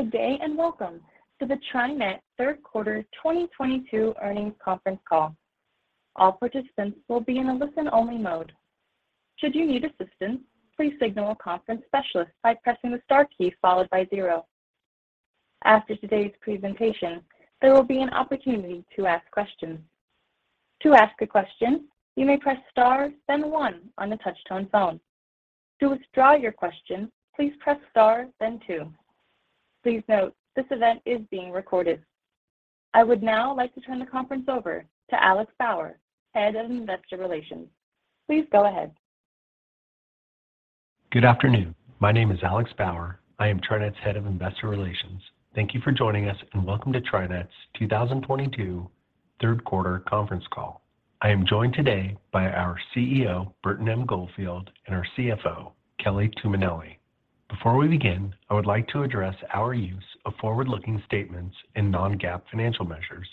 Good day, and welcome to the TriNet Third Quarter 2022 Earnings Conference Call. All participants will be in a listen-only mode. Should you need assistance, please signal a conference specialist by pressing the star key followed by zero. After today's presentation, there will be an opportunity to ask questions. To ask a question, you may press star, then one on the touchtone phone. To withdraw your question, please press star, then two. Please note, this event is being recorded. I would now like to turn the conference over to Alex Bauer, Head of Investor Relations. Please go ahead. Good afternoon. My name is Alex Bauer. I am TriNet's Head of Investor Relations. Thank you for joining us, and welcome to TriNet's 2022 third quarter conference call. I am joined today by our CEO, Burton M. Goldfield, and our CFO, Kelly Tuminelli. Before we begin, I would like to address our use of forward-looking statements and non-GAAP financial measures.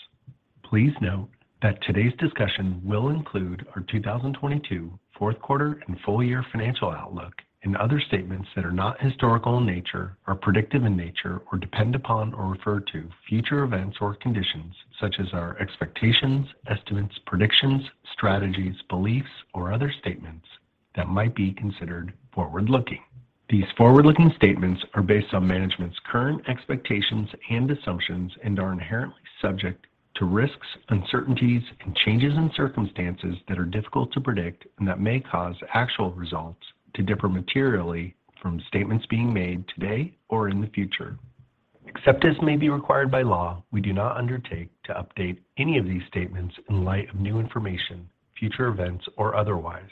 Please note that today's discussion will include our 2022 fourth quarter and full year financial outlook and other statements that are not historical in nature or predictive in nature or depend upon or refer to future events or conditions such as our expectations, estimates, predictions, strategies, beliefs, or other statements that might be considered forward-looking. These forward-looking statements are based on management's current expectations and assumptions and are inherently subject to risks, uncertainties, and changes in circumstances that are difficult to predict and that may cause actual results to differ materially from statements being made today or in the future. Except as may be required by law, we do not undertake to update any of these statements in light of new information, future events, or otherwise.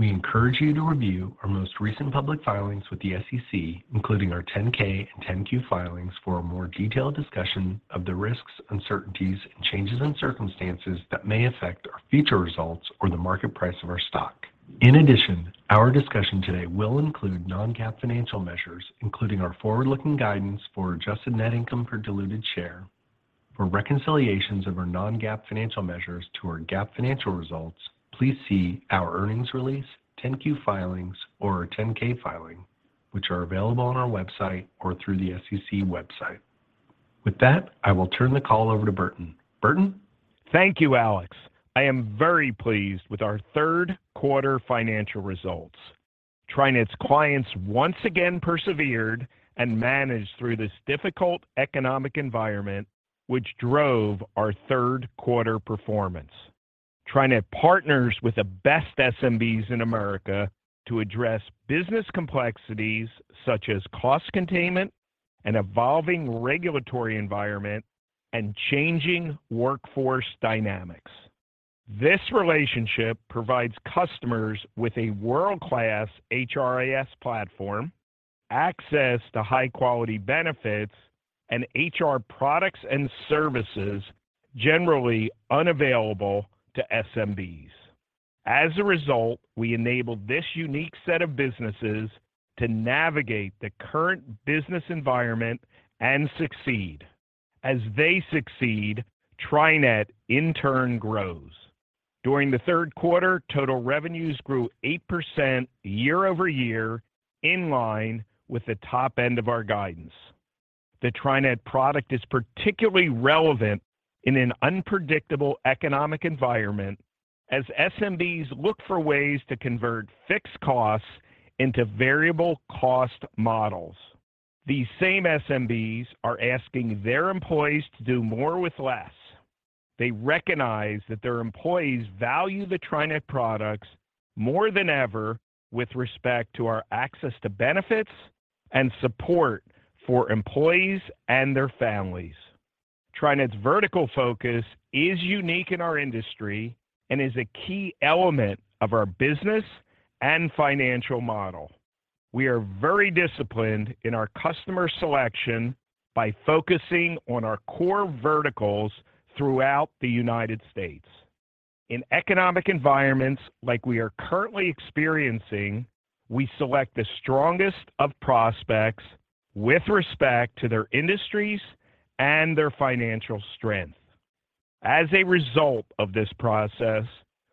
We encourage you to review our most recent public filings with the SEC, including our 10-K and 10-Q filings for a more detailed discussion of the risks, uncertainties, and changes in circumstances that may affect our future results or the market price of our stock. In addition, our discussion today will include non-GAAP financial measures, including our forward-looking guidance for adjusted net income per diluted share. For reconciliations of our non-GAAP financial measures to our GAAP financial results, please see our earnings release, 10-Q filings, or our 10-K filing, which are available on our website or through the SEC website. With that, I will turn the call over to Burton. Burton? Thank you, Alex. I am very pleased with our third quarter financial results. TriNet's clients once again persevered and managed through this difficult economic environment which drove our third quarter performance. TriNet partners with the best SMBs in America to address business complexities such as cost containment and evolving regulatory environment and changing workforce dynamics. This relationship provides customers with a world-class HRIS platform, access to high quality benefits, and HR products and services generally unavailable to SMBs. As a result, we enable this unique set of businesses to navigate the current business environment and succeed. As they succeed, TriNet in turn grows. During the third quarter, total revenues grew 8% year-over-year in line with the top end of our guidance. The TriNet product is particularly relevant in an unpredictable economic environment as SMBs look for ways to convert fixed costs into variable cost models. These same SMBs are asking their employees to do more with less. They recognize that their employees value the TriNet products more than ever with respect to our access to benefits and support for employees and their families. TriNet's vertical focus is unique in our industry and is a key element of our business and financial model. We are very disciplined in our customer selection by focusing on our core verticals throughout the United States. In economic environments like we are currently experiencing, we select the strongest of prospects with respect to their industries and their financial strength. As a result of this process,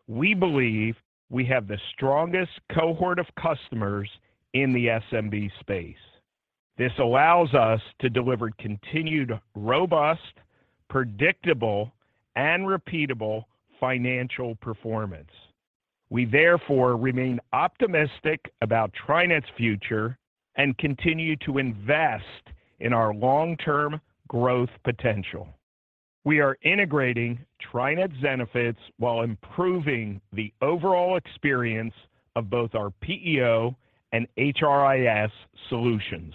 we believe we have the strongest cohort of customers in the SMB space. This allows us to deliver continued robust, predictable, and repeatable financial performance. We therefore remain optimistic about TriNet's future and continue to invest in our long-term growth potential. We are integrating TriNet's benefits while improving the overall experience of both our PEO and HRIS solutions.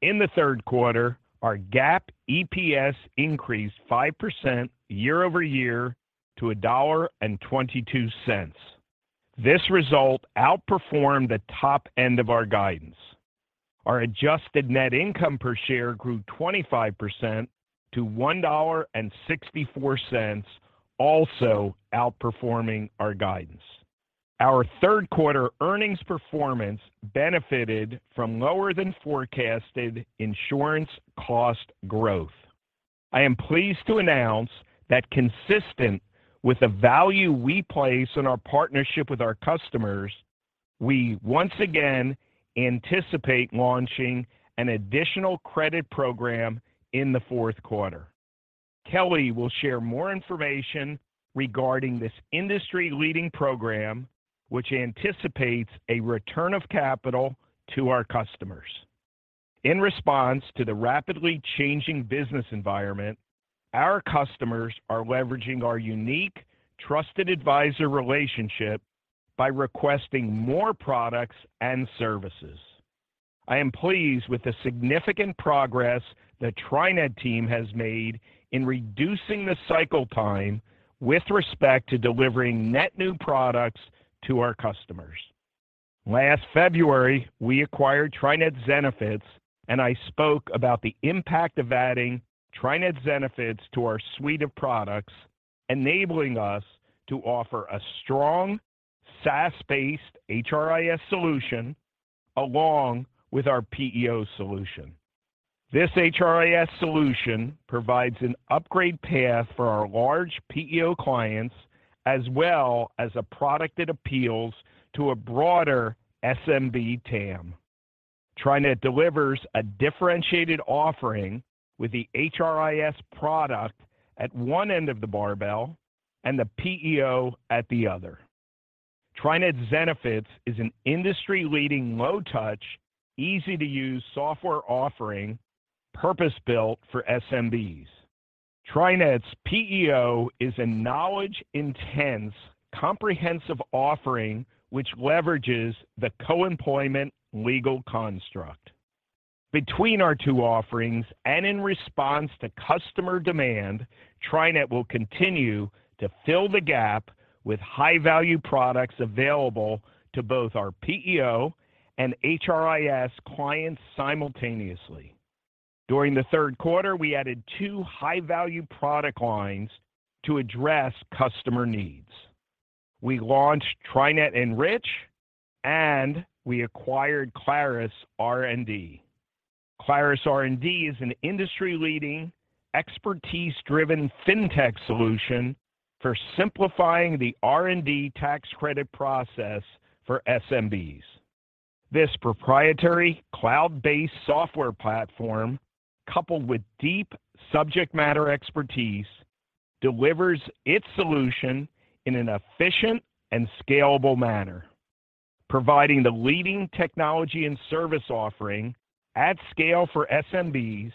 In the third quarter, our GAAP EPS increased 5% year-over-year to $1.22. This result outperformed the top end of our guidance. Our adjusted net income per share grew 25% to $1.64, also outperforming our guidance. Our third quarter earnings performance benefited from lower than forecasted insurance cost growth. I am pleased to announce that consistent with the value we place in our partnership with our customers, we once again anticipate launching an additional credit program in the fourth quarter. Kelly will share more information regarding this industry-leading program, which anticipates a return of capital to our customers. In response to the rapidly changing business environment, our customers are leveraging our unique trusted advisor relationship by requesting more products and services. I am pleased with the significant progress the TriNet team has made in reducing the cycle time with respect to delivering net new products to our customers. Last February, we acquired TriNet Zenefits, and I spoke about the impact of adding TriNet Zenefits to our suite of products, enabling us to offer a strong SaaS-based HRIS solution along with our PEO solution. This HRIS solution provides an upgrade path for our large PEO clients, as well as a product that appeals to a broader SMB TAM. TriNet delivers a differentiated offering with the HRIS product at one end of the barbell and the PEO at the other. TriNet Zenefits is an industry-leading, low touch, easy-to-use software offering purpose-built for SMBs. TriNet's PEO is a knowledge-intense, comprehensive offering which leverages the co-employment legal construct. Between our two offerings and in response to customer demand, TriNet will continue to fill the gap with high-value products available to both our PEO and HRIS clients simultaneously. During the third quarter, we added two high-value product lines to address customer needs. We launched TriNet Enrich and we acquired Clarus R+D. Clarus R+D is an industry-leading, expertise-driven fintech solution for simplifying the R&D tax credit process for SMBs. This proprietary cloud-based software platform, coupled with deep subject matter expertise, delivers its solution in an efficient and scalable manner. Providing the leading technology and service offering at scale for SMBs,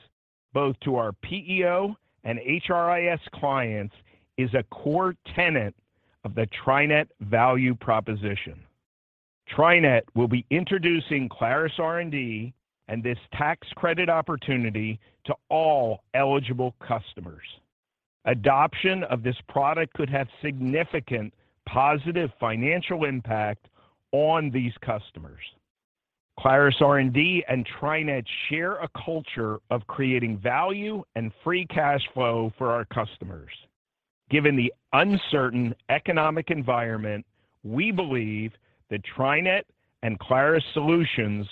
both to our PEO and HRIS clients, is a core tenet of the TriNet value proposition. TriNet will be introducing Clarus R+D and this tax credit opportunity to all eligible customers. Adoption of this product could have significant positive financial impact on these customers. Clarus R+D and TriNet share a culture of creating value and free cash flow for our customers. Given the uncertain economic environment, we believe that TriNet and Clarus R+D solutions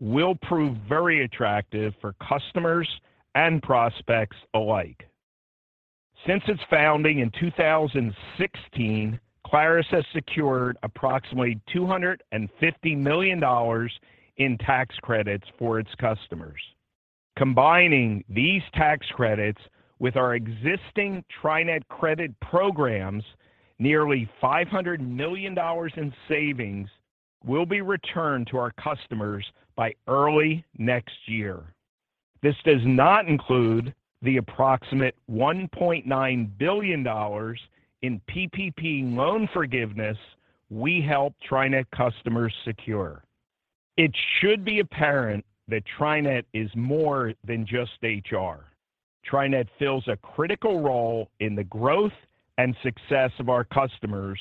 will prove very attractive for customers and prospects alike. Since its founding in 2016, Clarus R+D has secured approximately $250 million in tax credits for its customers. Combining these tax credits with our existing TriNet credit programs, nearly $500 million in savings will be returned to our customers by early next year. This does not include the approximate $1.9 billion in PPP loan forgiveness we helped TriNet customers secure. It should be apparent that TriNet is more than just HR. TriNet fills a critical role in the growth and success of our customers,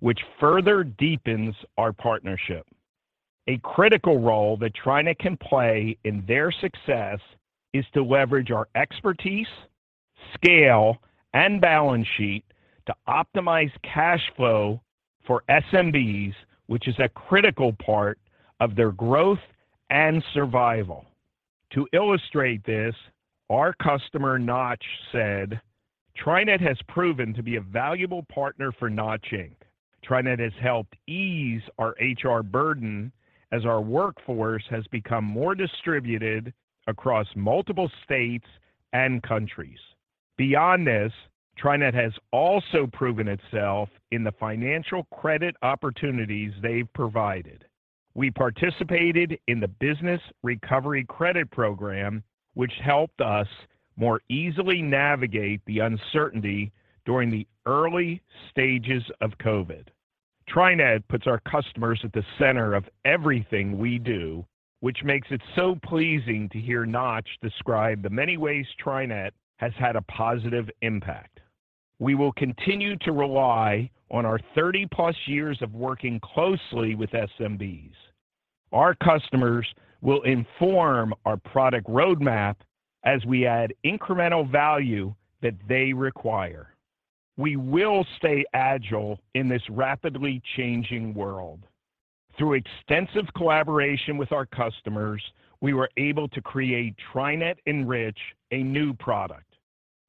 which further deepens our partnership. A critical role that TriNet can play in their success is to leverage our expertise, scale, and balance sheet to optimize cash flow for SMBs, which is a critical part of their growth and survival. To illustrate this, our customer Notch said, "TriNet has proven to be a valuable partner for Notch Inc. TriNet has helped ease our HR burden as our workforce has become more distributed across multiple states and countries. Beyond this, TriNet has also proven itself in the financial credit opportunities they've provided. We participated in the Business Recovery Credit program, which helped us more easily navigate the uncertainty during the early stages of COVID." TriNet puts our customers at the center of everything we do, which makes it so pleasing to hear Notch describe the many ways TriNet has had a positive impact. We will continue to rely on our 30-plus years of working closely with SMBs. Our customers will inform our product roadmap as we add incremental value that they require. We will stay agile in this rapidly changing world. Through extensive collaboration with our customers, we were able to create TriNet Enrich, a new product.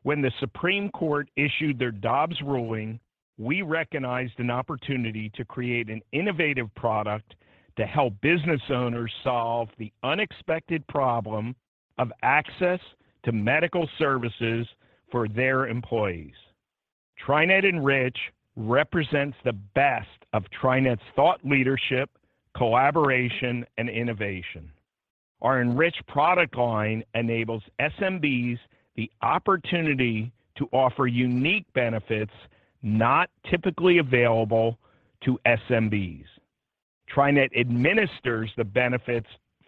When the Supreme Court issued their Dobbs ruling, we recognized an opportunity to create an innovative product to help business owners solve the unexpected problem of access to medical services for their employees. TriNet Enrich represents the best of TriNet's thought leadership, collaboration, and innovation. Our Enrich product line enables SMBs the opportunity to offer unique benefits not typically available to SMBs. TriNet administers the benefits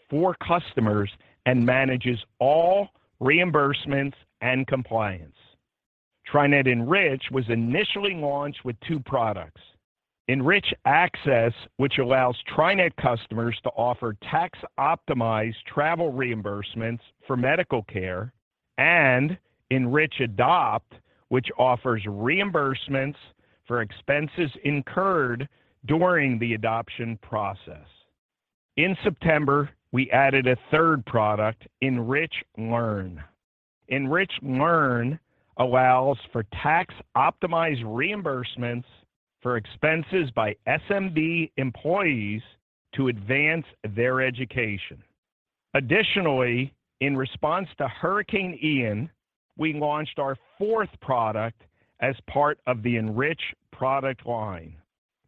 for customers and manages all reimbursements and compliance. TriNet Enrich was initially launched with two products, Enrich Access, which allows TriNet customers to offer tax-optimized travel reimbursements for medical care, and Enrich Adopt, which offers reimbursements for expenses incurred during the adoption process. In September, we added a third product, Enrich Learn. Enrich Learn allows for tax-optimized reimbursements for expenses by SMB employees to advance their education. Additionally, in response to Hurricane Ian, we launched our fourth product as part of the Enrich product line,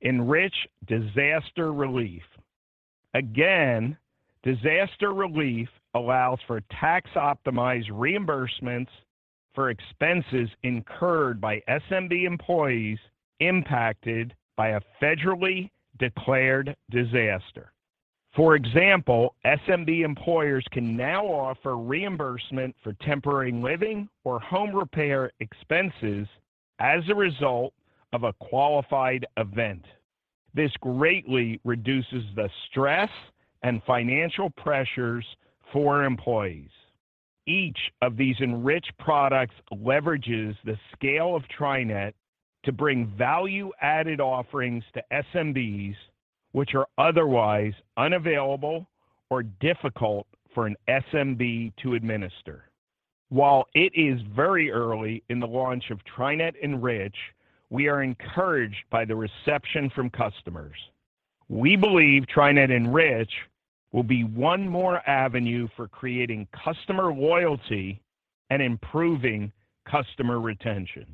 Enrich Disaster Relief. Again, Disaster Relief allows for tax-optimized reimbursements for expenses incurred by SMB employees impacted by a federally declared disaster. For example, SMB employers can now offer reimbursement for temporary living or home repair expenses as a result of a qualified event. This greatly reduces the stress and financial pressures for employees. Each of these Enrich products leverages the scale of TriNet to bring value-added offerings to SMBs, which are otherwise unavailable or difficult for an SMB to administer. While it is very early in the launch of TriNet Enrich, we are encouraged by the reception from customers. We believe TriNet Enrich will be one more avenue for creating customer loyalty and improving customer retention.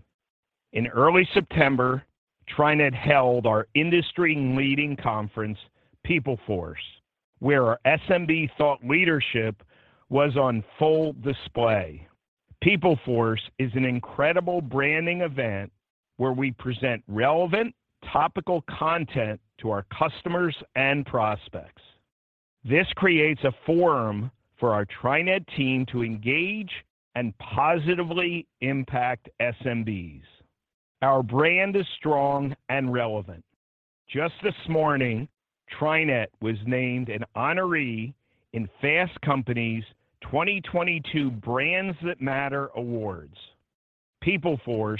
In early September, TriNet held our industry-leading conference, PeopleForce, where our SMB thought leadership was on full display. PeopleForce is an incredible branding event where we present relevant topical content to our customers and prospects. This creates a forum for our TriNet team to engage and positively impact SMBs. Our brand is strong and relevant. Just this morning, TriNet was named an honoree in Fast Company's 2022 Brands That Matter Awards. PeopleForce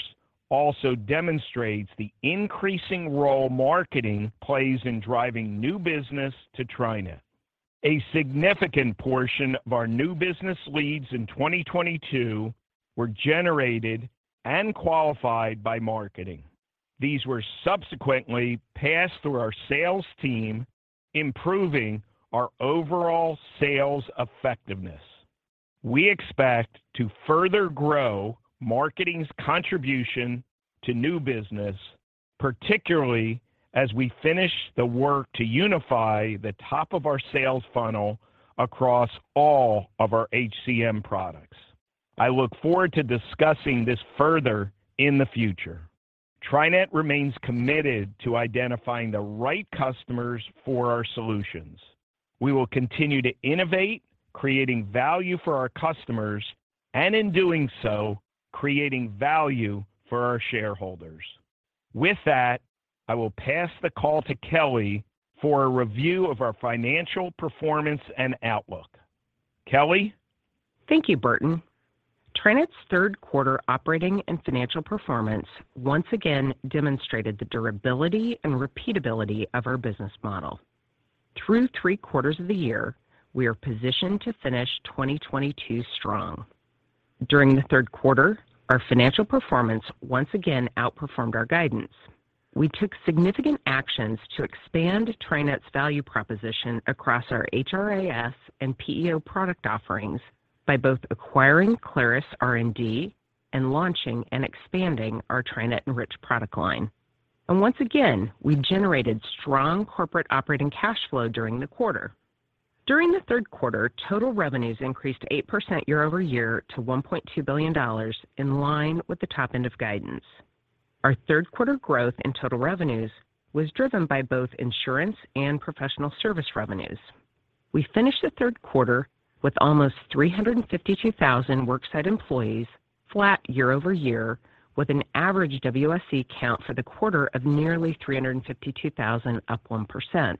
also demonstrates the increasing role marketing plays in driving new business to TriNet. A significant portion of our new business leads in 2022 were generated and qualified by marketing. These were subsequently passed through our sales team, improving our overall sales effectiveness. We expect to further grow marketing's contribution to new business, particularly as we finish the work to unify the top of our sales funnel across all of our HCM products. I look forward to discussing this further in the future. TriNet remains committed to identifying the right customers for our solutions. We will continue to innovate, creating value for our customers, and in doing so, creating value for our shareholders. With that, I will pass the call to Kelly for a review of our financial performance and outlook. Kelly? Thank you, Burton. TriNet's third quarter operating and financial performance once again demonstrated the durability and repeatability of our business model. Through three quarters of the year, we are positioned to finish 2022 strong. During the third quarter, our financial performance once again outperformed our guidance. We took significant actions to expand TriNet's value proposition across our HRAS and PEO product offerings by both acquiring Clarus R+D and launching and expanding our TriNet Enrich product line. Once again, we generated strong corporate operating cash flow during the quarter. During the third quarter, total revenues increased 8% year-over-year to $1.2 billion in line with the top end of guidance. Our third quarter growth in total revenues was driven by both insurance and professional service revenues. We finished the third quarter with almost 352,000 worksite employees flat year-over-year, with an average WSE count for the quarter of nearly 352,000, up 1%.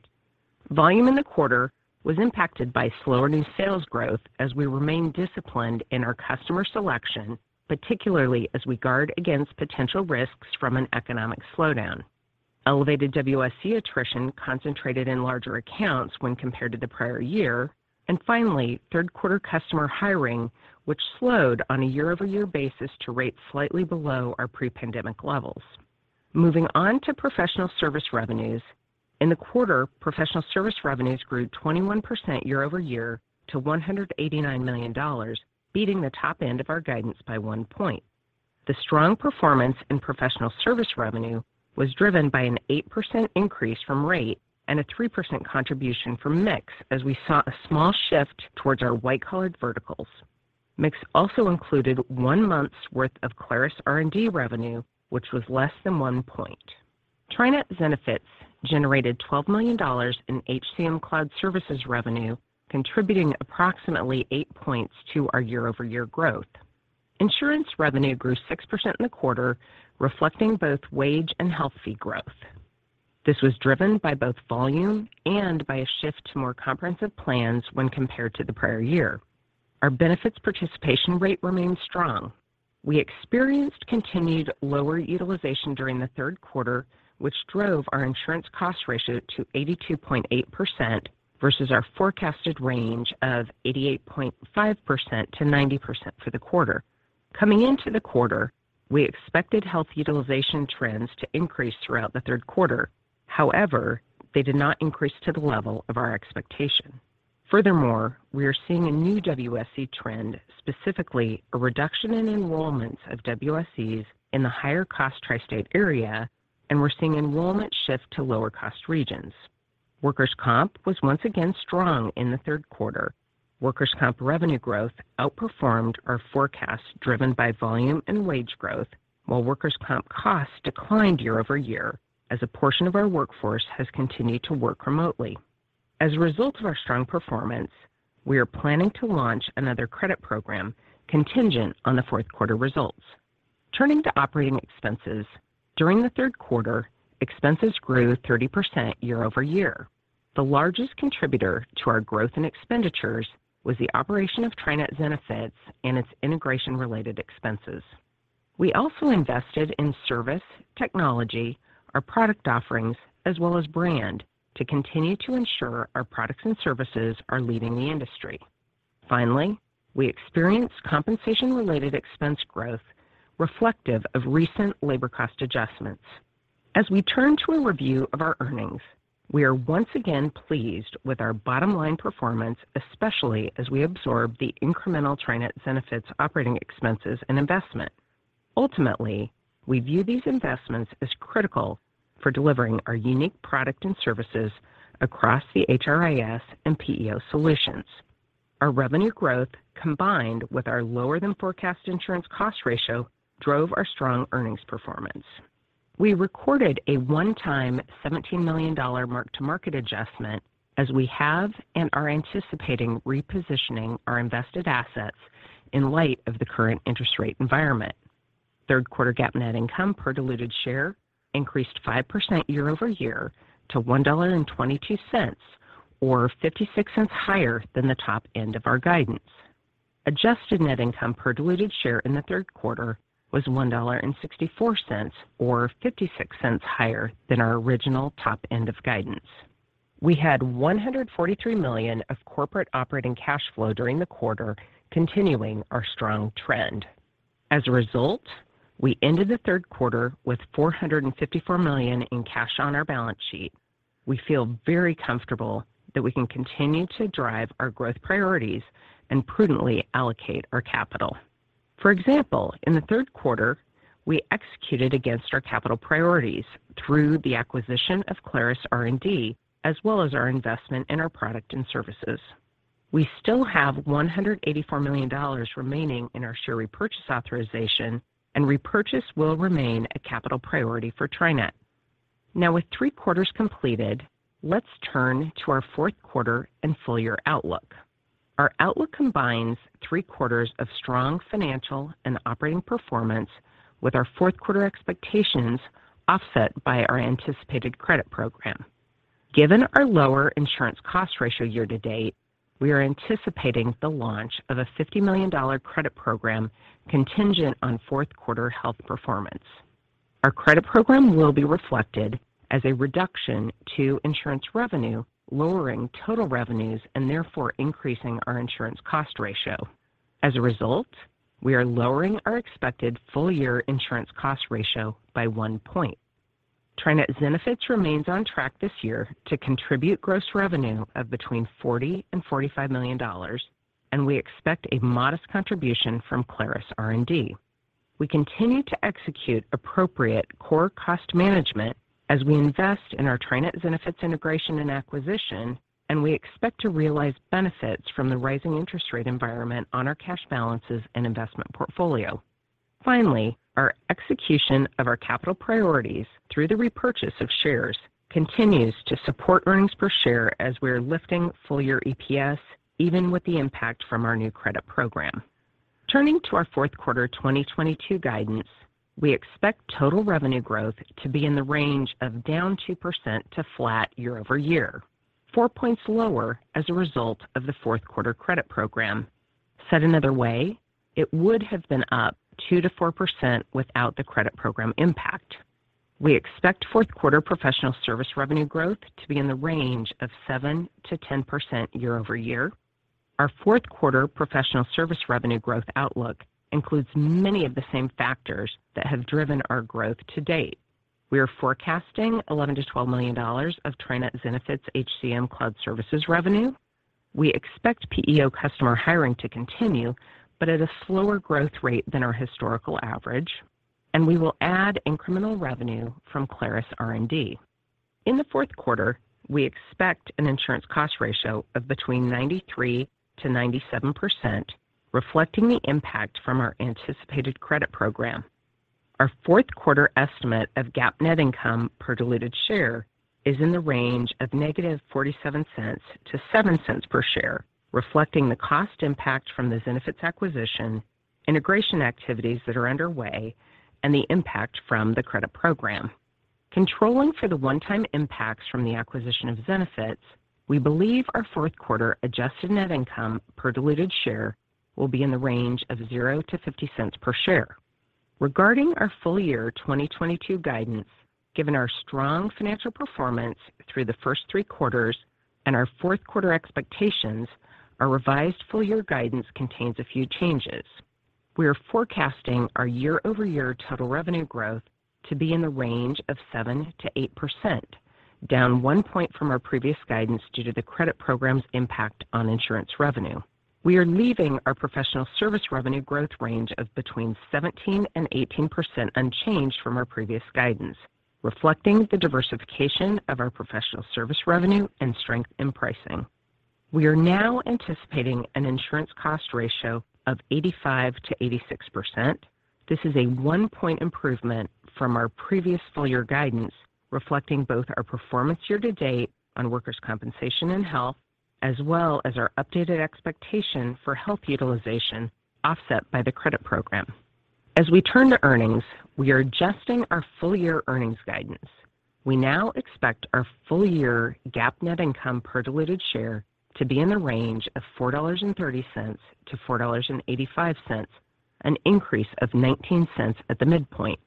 Volume in the quarter was impacted by slower new sales growth as we remain disciplined in our customer selection, particularly as we guard against potential risks from an economic slowdown. Elevated WSE attrition concentrated in larger accounts when compared to the prior year. Finally, third quarter customer hiring which slowed on a year-over-year basis to a rate slightly below our pre-pandemic levels. Moving on to professional service revenues. In the quarter, professional service revenues grew 21% year-over-year to $189 million, beating the top end of our guidance by one point. The strong performance in professional service revenue was driven by an 8% increase from rate and a 3% contribution from mix as we saw a small shift towards our white-collar verticals. Mix also included one month's worth of Clarus R+D revenue, which was less than one point. TriNet Zenefits generated $12 million in HCM Cloud services revenue, contributing approximately eight points to our year-over-year growth. Insurance revenue grew 6% in the quarter, reflecting both wage and health fee growth. This was driven by both volume and by a shift to more comprehensive plans when compared to the prior year. Our benefits participation rate remained strong. We experienced continued lower utilization during the third quarter, which drove our insurance cost ratio to 82.8% versus our forecasted range of 88.5%-90% for the quarter. Coming into the quarter, we expected health utilization trends to increase throughout the third quarter. However, they did not increase to the level of our expectation. Furthermore, we are seeing a new WSE trend, specifically a reduction in enrollments of WSEs in the higher cost Tri-State area, and we're seeing enrollment shift to lower cost regions. Workers' comp was once again strong in the third quarter. Workers' comp revenue growth outperformed our forecast, driven by volume and wage growth, while workers' comp costs declined year-over-year as a portion of our workforce has continued to work remotely. As a result of our strong performance, we are planning to launch another credit program contingent on the fourth quarter results. Turning to operating expenses. During the third quarter, expenses grew 30% year-over-year. The largest contributor to our growth in expenditures was the operation of TriNet Zenefits and its integration related expenses. We also invested in service, technology, our product offerings, as well as brand to continue to ensure our products and services are leading the industry. Finally, we experienced compensation related expense growth reflective of recent labor cost adjustments. As we turn to a review of our earnings, we are once again pleased with our bottom line performance, especially as we absorb the incremental TriNet Zenefits operating expenses and investment. Ultimately, we view these investments as critical for delivering our unique product and services across the HRIS and PEO solutions. Our revenue growth, combined with our lower than forecast insurance cost ratio, drove our strong earnings performance. We recorded a one-time $17 million mark-to-market adjustment as we have and are anticipating repositioning our invested assets in light of the current interest rate environment. Third quarter GAAP net income per diluted share increased 5% year-over-year to $1.22 or $0.56 higher than the top end of our guidance. Adjusted net income per diluted share in the third quarter was $1.64 or $0.56 higher than our original top end of guidance. We had $143 million of corporate operating cash flow during the quarter, continuing our strong trend. As a result, we ended the third quarter with $454 million in cash on our balance sheet. We feel very comfortable that we can continue to drive our growth priorities and prudently allocate our capital. For example, in the third quarter, we executed against our capital priorities through the acquisition of Clarus R+D as well as our investment in our product and services. We still have $184 million remaining in our share repurchase authorization, and repurchase will remain a capital priority for TriNet. Now, with three quarters completed, let's turn to our fourth quarter and full year outlook. Our outlook combines three quarters of strong financial and operating performance with our fourth quarter expectations offset by our anticipated credit program. Given our lower insurance cost ratio year to date, we are anticipating the launch of a $50 million credit program contingent on fourth quarter health performance. Our credit program will be reflected as a reduction to insurance revenue, lowering total revenues and therefore increasing our insurance cost ratio. As a result, we are lowering our expected full year insurance cost ratio by one point. TriNet Zenefits remains on track this year to contribute gross revenue of between $40 million and $45 million, and we expect a modest contribution from Clarus R+D. We continue to execute appropriate core cost management as we invest in our TriNet Zenefits integration and acquisition, and we expect to realize benefits from the rising interest rate environment on our cash balances and investment portfolio. Finally, our execution of our capital priorities through the repurchase of shares continues to support earnings per share as we are lifting full year EPS even with the impact from our new credit program. Turning to our fourth quarter 2022 guidance, we expect total revenue growth to be in the range of down 2% to flat year-over-year, four points lower as a result of the fourth quarter credit program. Said another way, it would have been up 2%-4% without the credit program impact. We expect fourth quarter professional service revenue growth to be in the range of 7%-10% year-over-year. Our fourth quarter professional service revenue growth outlook includes many of the same factors that have driven our growth to date. We are forecasting $11 million-$12 million of TriNet Zenefits HCM Cloud services revenue. We expect PEO customer hiring to continue, but at a slower growth rate than our historical average, and we will add incremental revenue from Clarus R+D. In the fourth quarter, we expect an insurance cost ratio of between 93%-97%, reflecting the impact from our anticipated credit program. Our fourth quarter estimate of GAAP net income per diluted share is in the range of -$0.47 to $0.07 per share, reflecting the cost impact from the Zenefits acquisition, integration activities that are underway, and the impact from the credit program. Controlling for the one-time impacts from the acquisition of Zenefits, we believe our fourth quarter adjusted net income per diluted share will be in the range of $0.00-$0.50 per share. Regarding our full-year 2022 guidance, given our strong financial performance through the first three quarters and our fourth quarter expectations, our revised full-year guidance contains a few changes. We are forecasting our year-over-year total revenue growth to be in the range of 7%-8%, down one point from our previous guidance due to the credit program's impact on insurance revenue. We are leaving our professional service revenue growth range of between 17% and 18% unchanged from our previous guidance, reflecting the diversification of our professional service revenue and strength in pricing. We are now anticipating an insurance cost ratio of 85%-86%. This is a one-point improvement from our previous full-year guidance, reflecting both our performance year-to-date on workers' compensation and health, as well as our updated expectation for health utilization offset by the credit program. As we turn to earnings, we are adjusting our full-year earnings guidance. We now expect our full year GAAP net income per diluted share to be in the range of $4.30-$4.85, an increase of $0.19 at the midpoint.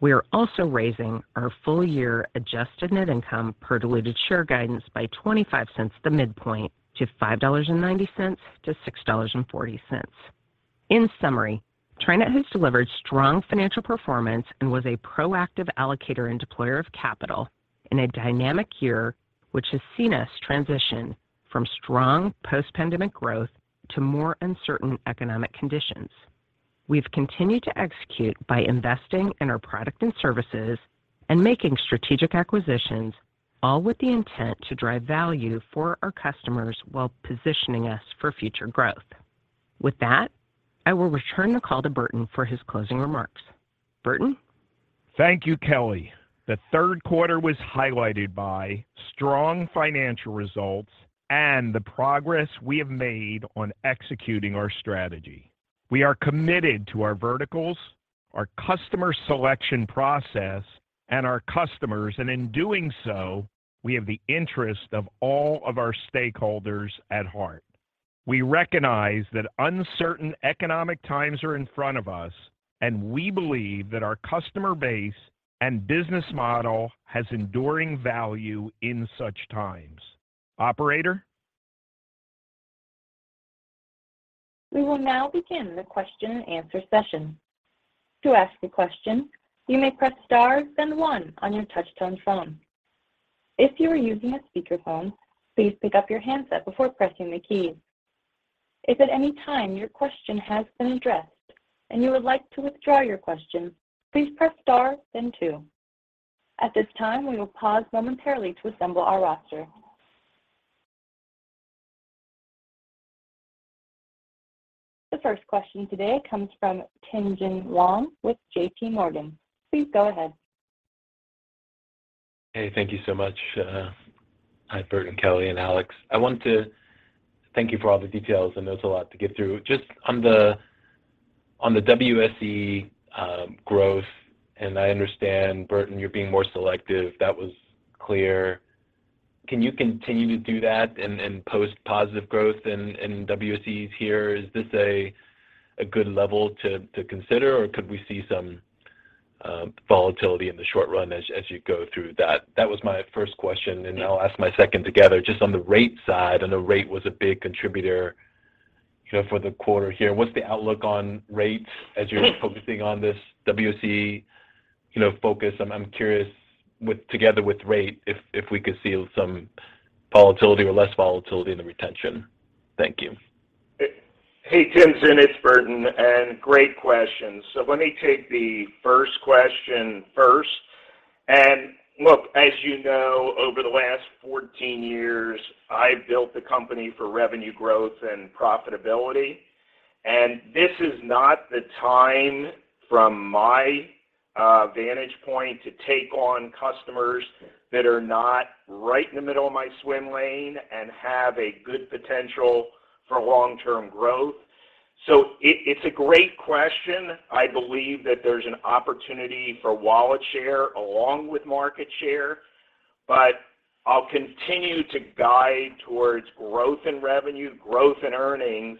We are also raising our full year adjusted net income per diluted share guidance by $0.25 at the midpoint to $5.90-$6.40. In summary, TriNet has delivered strong financial performance and was a proactive allocator and deployer of capital in a dynamic year, which has seen us transition from strong post-pandemic growth to more uncertain economic conditions. We've continued to execute by investing in our product and services and making strategic acquisitions, all with the intent to drive value for our customers while positioning us for future growth. With that, I will return the call to Burton for his closing remarks. Burton? Thank you, Kelly. The third quarter was highlighted by strong financial results and the progress we have made on executing our strategy. We are committed to our verticals, our customer selection process, and our customers, and in doing so, we have the interest of all of our stakeholders at heart. We recognize that uncertain economic times are in front of us, and we believe that our customer base and business model has enduring value in such times. Operator? We will now begin the question and answer session. To ask a question, you may press star then one on your touch-tone phone. If you are using a speakerphone, please pick up your handset before pressing the key. If at any time your question has been addressed and you would like to withdraw your question, please press star then two. At this time, we will pause momentarily to assemble our roster. The first question today comes from Tien-Tsin Huang with JPMorgan. Please go ahead. Hey, thank you so much. Hi, Burton, Kelly and Alex. I want to thank you for all the details, and there's a lot to get through. Just on the WSE growth, and I understand, Burton, you're being more selective. That was clear. Can you continue to do that and post positive growth in WSEs here? Is this a good level to consider, or could we see some volatility in the short run as you go through that? That was my first question, and I'll ask my second together. Just on the rate side, I know rate was a big contributor, you know, for the quarter here. What's the outlook on rates as you're focusing on this WSE, you know, focus? I'm curious together with rate if we could see some volatility or less volatility in the retention. Thank you. Hey, Tim, it's Burton, and great questions. Let me take the first question first. Look, as you know, over the last 14 years, I built the company for revenue growth and profitability, and this is not the time from my vantage point to take on customers that are not right in the middle of my swim lane and have a good potential for long-term growth. It's a great question. I believe that there's an opportunity for wallet share along with market share. I'll continue to guide towards growth in revenue, growth in earnings,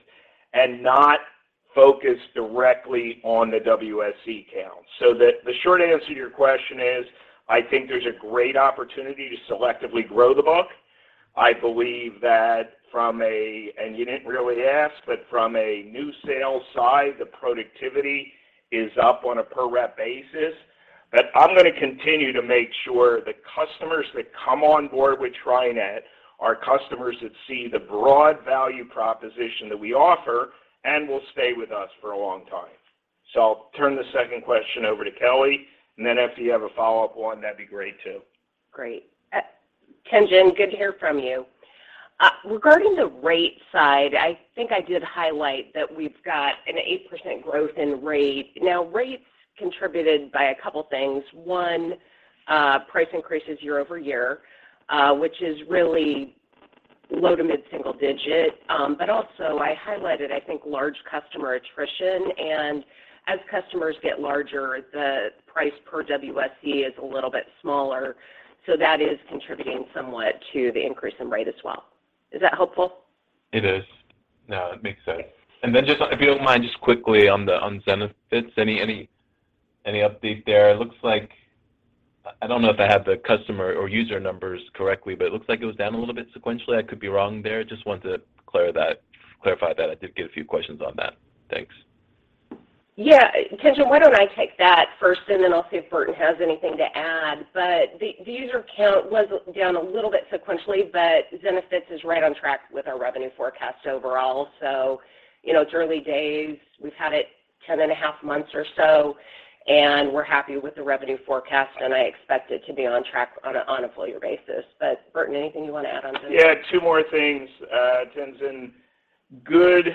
and not focus directly on the WSE count. The short answer to your question is I think there's a great opportunity to selectively grow the book. I believe that from a... You didn't really ask, but from a new sales side, the productivity is up on a per rep basis, but I'm gonna continue to make sure the customers that come on board with TriNet are customers that see the broad value proposition that we offer and will stay with us for a long time. I'll turn the second question over to Kelly, and then if you have a follow-up one, that'd be great too. Great. Tien-Tsin Huang, good to hear from you. Regarding the rate side, I think I did highlight that we've got an 8% growth in rate. Now rates contributed by a couple things. One, price increases year-over-year, which is really low- to mid-single-digit, but also I highlighted, I think, large customer attrition. As customers get larger, the price per WSE is a little bit smaller, so that is contributing somewhat to the increase in rate as well. Is that helpful? It is. No, it makes sense. Just if you don't mind, just quickly on Zenefits, any update there? It looks like I don't know if I have the customer or user numbers correctly, but it looks like it was down a little bit sequentially. I could be wrong there. Just wanted to clarify that. I did get a few questions on that. Thanks. Yeah. Tien-Tsin Huang, why don't I take that first, and then I'll see if Burton has anything to add. The user count was down a little bit sequentially, but Zenefits is right on track with our revenue forecast overall. You know, it's early days. We've had it 10.5 months or so, and we're happy with the revenue forecast, and I expect it to be on track on a full year basis. Burton, anything you want to add on to this? Yeah, two more things, Tien-Tsin Huang. Good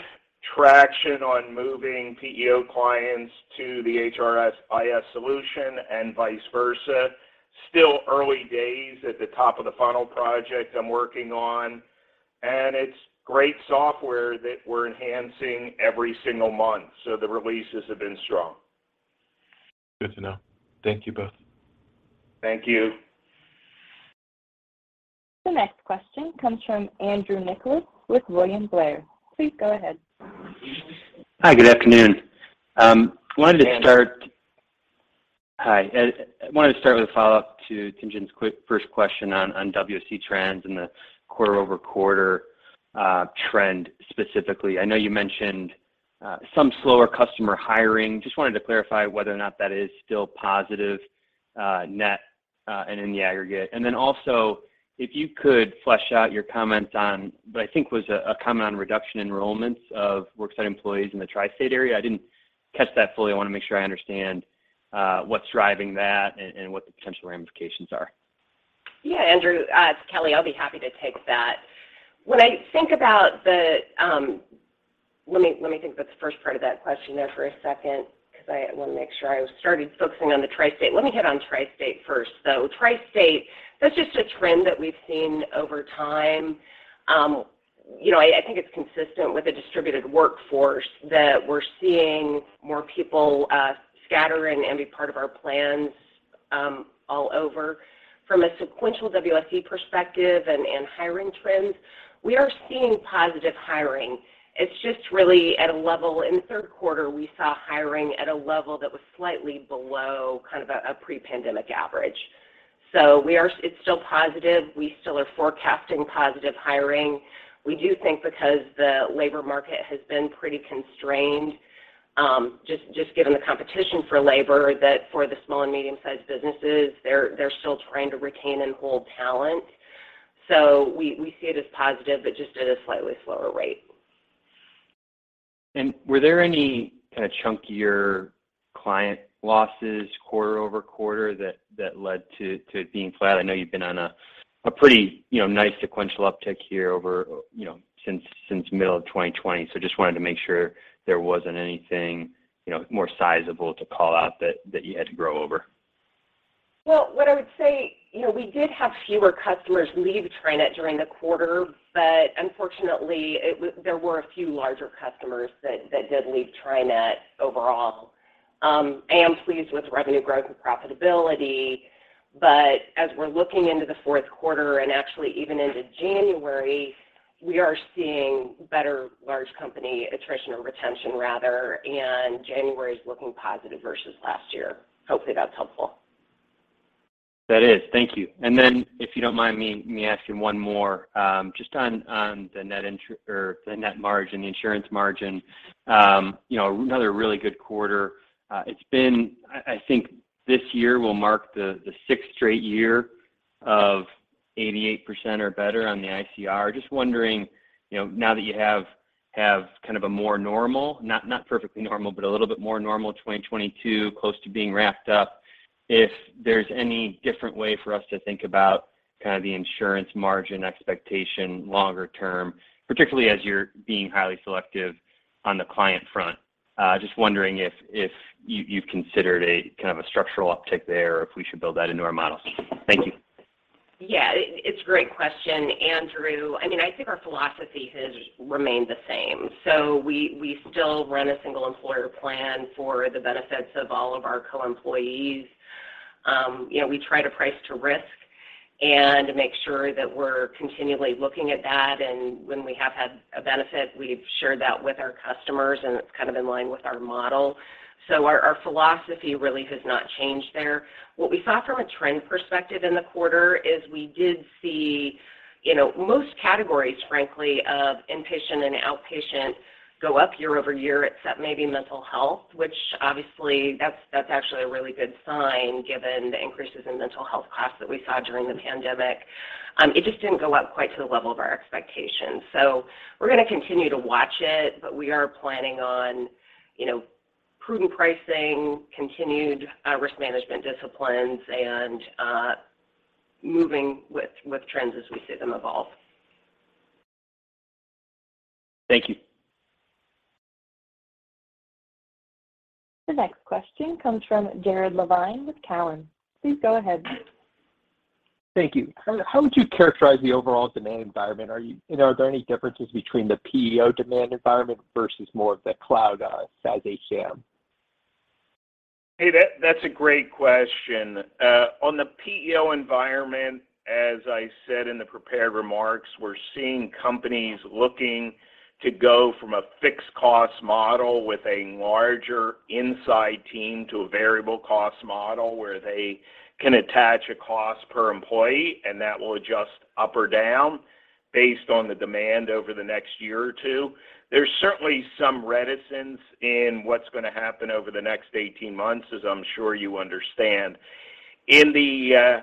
traction on moving PEO clients to the HRIS solution and vice versa. Still early days at the top of the funnel project I'm working on, and it's great software that we're enhancing every single month, so the releases have been strong. Good to know. Thank you both. Thank you. The next question comes from Andrew Nicholas with William Blair. Please go ahead. Hi, good afternoon. Wanted to start. Hey, Andrew. Hi. I wanted to start with a follow-up to Tien-Tsin Huang's quick first question on WSE trends and the quarter-over-quarter trend specifically. I know you mentioned some slower customer hiring. Just wanted to clarify whether or not that is still positive net and in the aggregate. Also if you could flesh out your comment on what I think was a comment on reduction enrollments of worksite employees in the Tri-State area. I didn't catch that fully. I wanna make sure I understand what's driving that and what the potential ramifications are. Yeah, Andrew. It's Kelly. I'll be happy to take that. When I think about the first part of that question there for a second, 'cause I wanna make sure I started focusing on the Tri-State. Let me hit on Tri-State first. Tri-State, that's just a trend that we've seen over time. You know, I think it's consistent with a distributed workforce that we're seeing more people scatter in and be part of our plans all over. From a sequential WSE perspective and hiring trends, we are seeing positive hiring. It's just really at a level. In the third quarter, we saw hiring at a level that was slightly below kind of a pre-pandemic average. It's still positive. We still are forecasting positive hiring. We do think because the labor market has been pretty constrained, just given the competition for labor, that for the small and medium-sized businesses, they're still trying to retain and hold talent. We see it as positive, but just at a slightly slower rate. Were there any kind of chunkier client losses quarter-over-quarter that led to it being flat? I know you've been on a pretty, you know, nice sequential uptick here over, you know, since middle of 2020, so just wanted to make sure there wasn't anything, you know, more sizable to call out that you had to grow over. Well, what I would say, you know, we did have fewer customers leave TriNet during the quarter, but unfortunately there were a few larger customers that did leave TriNet overall. I am pleased with revenue growth and profitability, but as we're looking into the fourth quarter and actually even into January, we are seeing better large company attrition or retention rather, and January is looking positive versus last year. Hopefully, that's helpful. That is. Thank you. If you don't mind me asking one more, just on the net margin, the insurance margin, you know, another really good quarter. It's been. I think this year will mark the sixth straight year of 88% or better on the ICR. Just wondering, you know, now that you have kind of a more normal, not perfectly normal, but a little bit more normal 2022 close to being wrapped up, if there's any different way for us to think about kind of the insurance margin expectation longer term, particularly as you're being highly selective on the client front. Just wondering if you you've considered a kind of a structural uptick there or if we should build that into our models. Thank you. It's a great question, Andrew. I mean, I think our philosophy has remained the same. We still run a single employer plan for the benefits of all of our co-employees. You know, we try to price to risk. And make sure that we're continually looking at that. When we have had a benefit, we've shared that with our customers, and it's kind of in line with our model. Our philosophy really has not changed there. What we saw from a trend perspective in the quarter is we did see, you know, most categories, frankly, of inpatient and outpatient go up year-over-year, except maybe mental health, which obviously that's actually a really good sign given the increases in mental health costs that we saw during the pandemic. It just didn't go up quite to the level of our expectations. We're gonna continue to watch it, but we are planning on, you know, prudent pricing, continued risk management disciplines, and moving with trends as we see them evolve. Thank you. The next question comes from Jared Levine with Cowen. Please go ahead. Thank you. How would you characterize the overall demand environment? You know, are there any differences between the PEO demand environment versus more of the cloud, SaaS HCM? Hey, that's a great question. On the PEO environment, as I said in the prepared remarks, we're seeing companies looking to go from a fixed cost model with a larger in-house team to a variable cost model where they can attach a cost per employee, and that will adjust up or down based on the demand over the next year or two. There's certainly some reticence in what's gonna happen over the next 18 months, as I'm sure you understand. In the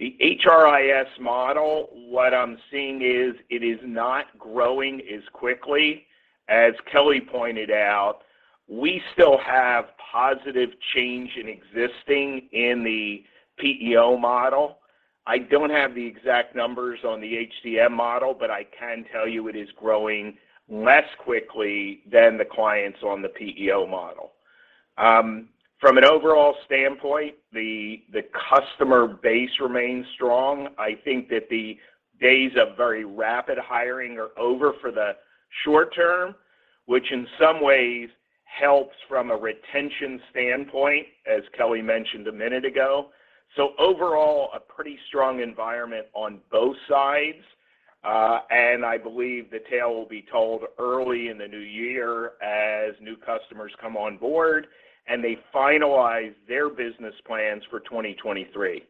HRIS model, what I'm seeing is it is not growing as quickly. As Kelly pointed out, we still have positive change in existing in the PEO model. I don't have the exact numbers on the HCM model, but I can tell you it is growing less quickly than the clients on the PEO model. From an overall standpoint, the customer base remains strong. I think that the days of very rapid hiring are over for the short term, which in some ways helps from a retention standpoint, as Kelly mentioned a minute ago. Overall, a pretty strong environment on both sides, and I believe the tale will be told early in the new year as new customers come on board, and they finalize their business plans for 2023.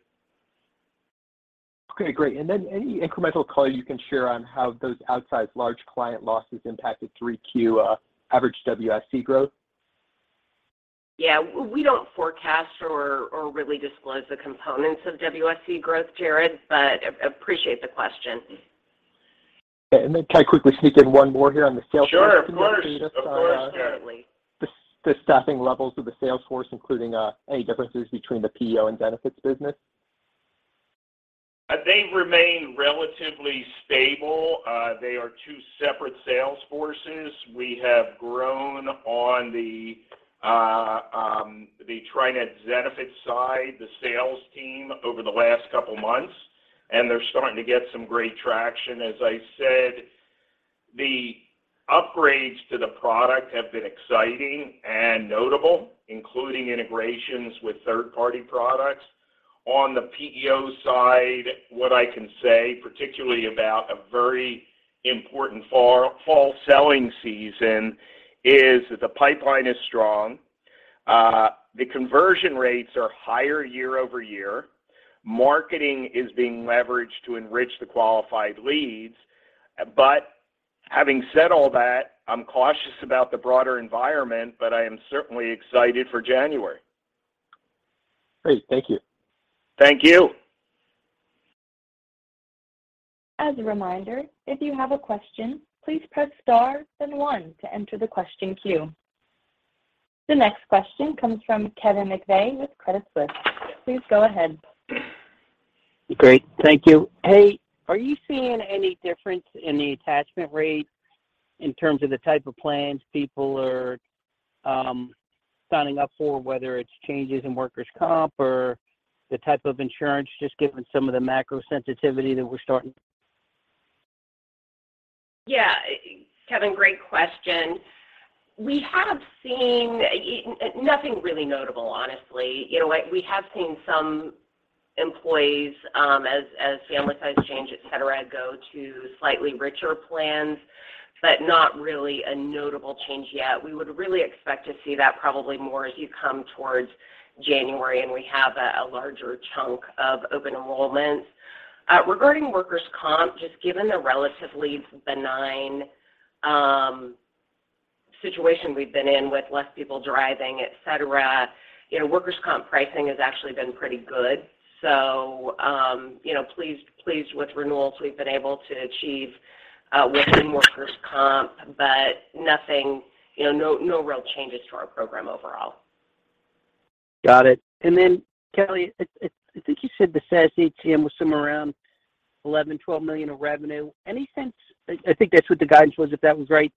Okay, great. Any incremental color you can share on how those outsized large client losses impacted 3Q average WSE growth? Yeah. We don't forecast or really disclose the components of WSC growth, Jared, but appreciate the question. Can I quickly sneak in one more here on the sales force- Sure. Of course. Can you just? Of course, Jared. The staffing levels of the sales force, including any differences between the PEO and benefits business? They remain relatively stable. They are two separate sales forces. We have grown on the TriNet Zenefits side, the sales team over the last couple months, and they're starting to get some great traction. As I said, the upgrades to the product have been exciting and notable, including integrations with third-party products. On the PEO side, what I can say, particularly about a very important fall selling season, is that the pipeline is strong. The conversion rates are higher year-over-year. Marketing is being leveraged to enrich the qualified leads. Having said all that, I'm cautious about the broader environment, but I am certainly excited for January. Great. Thank you. Thank you. As a reminder, if you have a question, please press star then one to enter the question queue. The next question comes from Kevin McVeigh with Credit Suisse. Please go ahead. Great. Thank you. Hey, are you seeing any difference in the attachment rate in terms of the type of plans people are signing up for, whether it's changes in workers' comp or the type of insurance, just given some of the macro sensitivity that we're starting? Yeah. Kevin, great question. We have seen nothing really notable, honestly. You know what? We have seen some employees, as family size change, et cetera, go to slightly richer plans, but not really a notable change yet. We would really expect to see that probably more as you come towards January, and we have a larger chunk of open enrollments. Regarding workers' comp, just given the relatively benign situation we've been in with less people driving, et cetera, you know, workers' comp pricing has actually been pretty good. You know, pleased with renewals we've been able to achieve within workers' comp, but nothing, you know, no real changes to our program overall. Got it. Kelly, I think you said the SaaS HCM was somewhere around $11-$12 million of revenue. Any sense? I think that's what the guidance was, if that was right.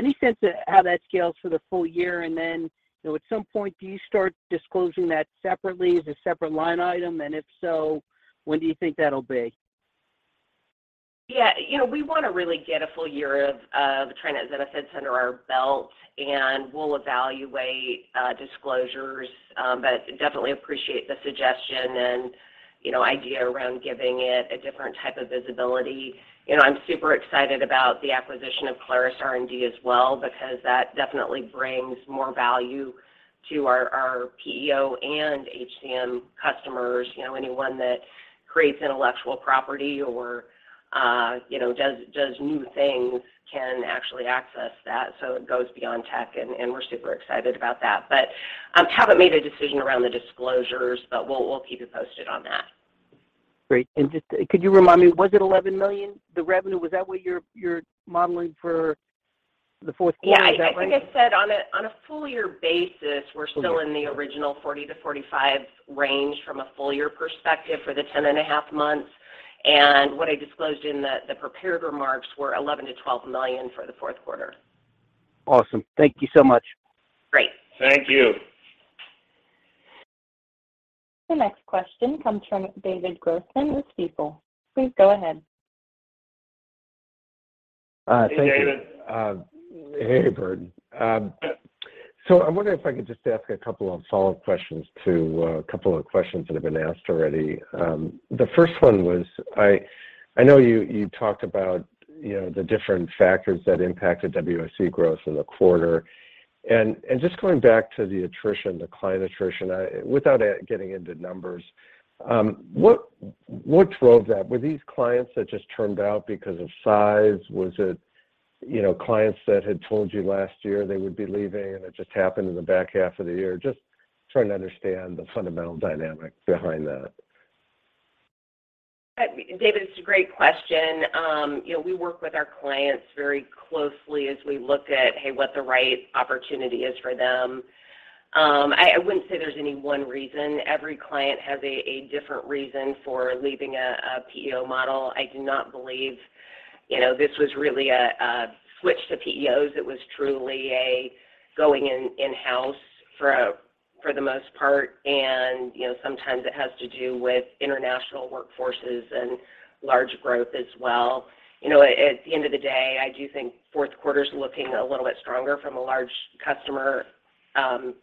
Any sense of how that scales for the full year? You know, at some point, do you start disclosing that separately as a separate line item? If so, when do you think that'll be? Yeah, you know, we wanna really get a full year of TriNet Zenefits under our belt, and we'll evaluate disclosures, but definitely appreciate the suggestion and, you know, idea around giving it a different type of visibility. You know, I'm super excited about the acquisition of Clarus R+D as well because that definitely brings more value to our PEO and HCM customers. You know, anyone that creates intellectual property or, you know, does new things can actually access that, so it goes beyond tech, and we're super excited about that. Haven't made a decision around the disclosures, but we'll keep you posted on that. Great. Just could you remind me, was it $11 million, the revenue? Was that what you're modeling for the fourth quarter? Is that right? I think I said on a full year basis, we're still in the original 40-45 range from a full year perspective for the 10.5 months, and what I disclosed in the prepared remarks were $11 million-$12 million for the fourth quarter. Awesome. Thank you so much. Great. Thank you. The next question comes from David Grossman with Stifel. Please go ahead. Thank you. Hey, David. Hey, Burton. So I'm wondering if I could just ask a couple of follow-up questions to a couple of questions that have been asked already. The first one was, I know you talked about, you know, the different factors that impacted WSE growth in the quarter. And just going back to the attrition, the client attrition, without getting into numbers, what drove that? Were these clients that just turned out because of size? Was it, you know, clients that had told you last year they would be leaving, and it just happened in the back half of the year? Just trying to understand the fundamental dynamic behind that. David, it's a great question. You know, we work with our clients very closely as we look at, hey, what the right opportunity is for them. I wouldn't say there's any one reason. Every client has a different reason for leaving a PEO model. I do not believe, you know, this was really a switch to PEOs. It was truly a going in-house for the most part. You know, sometimes it has to do with international workforces and large growth as well. You know, at the end of the day, I do think fourth quarter's looking a little bit stronger from a large customer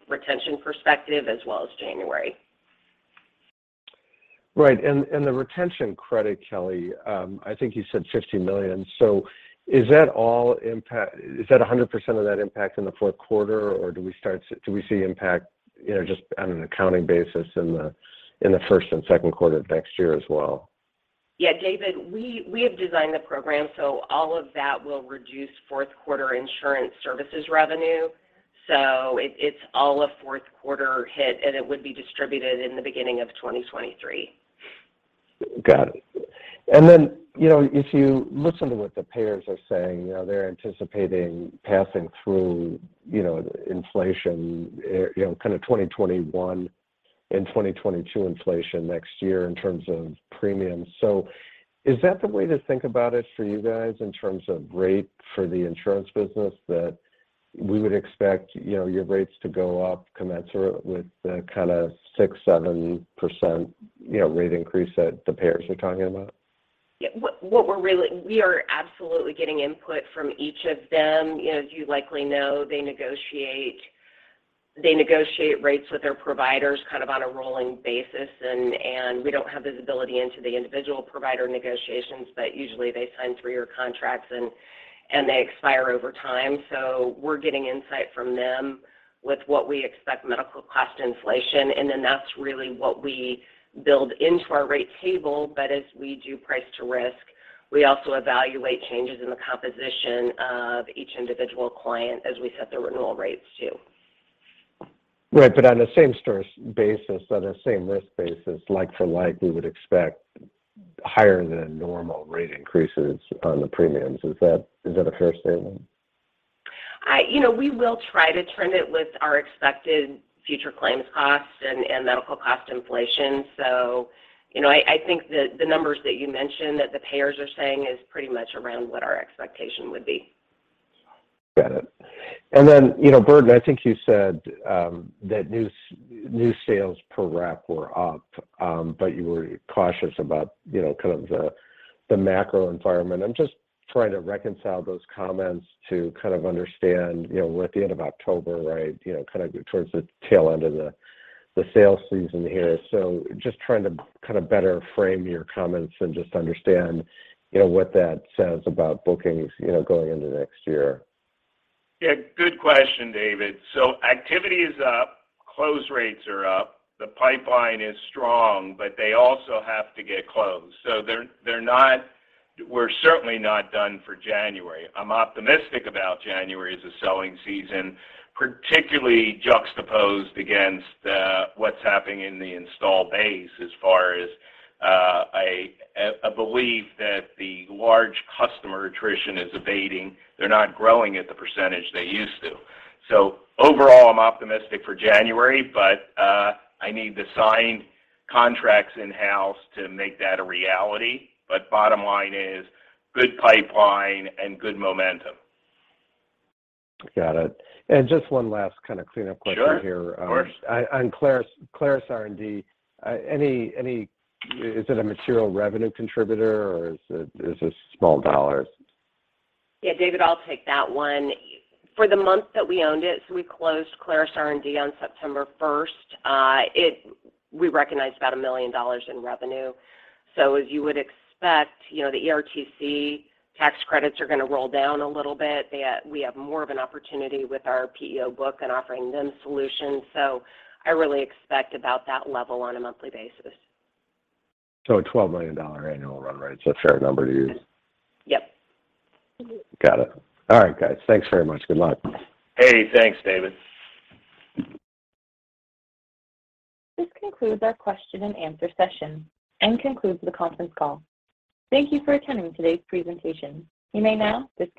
retention perspective as well as January. Right. The retention credit, Kelly, I think you said $50 million. Is that all impact? Is that 100% of that impact in the fourth quarter, or do we see impact, you know, just on an accounting basis in the first and second quarter of next year as well? Yeah, David, we have designed the program, so all of that will reduce fourth quarter insurance services revenue. It, it's all a fourth quarter hit, and it would be distributed in the beginning of 2023. Got it. Then, you know, if you listen to what the payers are saying, you know, they're anticipating passing through, you know, inflation, kind of 2021 and 2022 inflation next year in terms of premiums. Is that the way to think about it for you guys in terms of rate for the insurance business, that we would expect, you know, your rates to go up commensurate with the kinda 6%-7% rate increase that the payers are talking about? Yeah. We are absolutely getting input from each of them. You know, as you likely know, they negotiate rates with their providers kind of on a rolling basis and we don't have visibility into the individual provider negotiations, but usually they sign three-year contracts and they expire over time. We're getting insight from them with what we expect medical cost inflation, and then that's really what we build into our rate table. As we do price to risk, we also evaluate changes in the composition of each individual client as we set the renewal rates too. Right. On the same stores basis, on the same risk basis, like for like, we would expect higher than normal rate increases on the premiums. Is that a fair statement? You know, we will try to trend it with our expected future claims costs and medical cost inflation. You know, I think the numbers that you mentioned that the payers are saying is pretty much around what our expectation would be. Got it. Then, you know, Burton, I think you said that new sales per rep were up, but you were cautious about, you know, kind of the macro environment. I'm just trying to reconcile those comments to kind of understand, you know, we're at the end of October, right, you know, kind of towards the tail end of the sales season here. Just trying to kind of better frame your comments and just understand, you know, what that says about bookings, you know, going into next year. Yeah, good question, David. Activity is up, close rates are up, the pipeline is strong, but they also have to get closed. They're not. We're certainly not done for January. I'm optimistic about January as a selling season, particularly juxtaposed against what's happening in the installed base as far as a belief that the large customer attrition is abating. They're not growing at the percentage they used to. Overall, I'm optimistic for January, but I need the signed contracts in-house to make that a reality. Bottom line is good pipeline and good momentum. Got it. Just one last kind of cleanup question here. Sure. Of course. On Clarus R+D, is it a material revenue contributor, or is it small dollars? Yeah, David, I'll take that one. For the month that we owned it, we closed Clarus R+D on September first. It. We recognized about $1 million in revenue. As you would expect, you know, the ERTC tax credits are gonna roll down a little bit. We have more of an opportunity with our PEO book and offering them solutions. I really expect about that level on a monthly basis. A $12 million annual run rate is a fair number to use? Yep. Got it. All right, guys. Thanks very much. Good luck. Hey, thanks, David. This concludes our question and answer session and concludes the conference call. Thank you for attending today's presentation. You may now disconnect.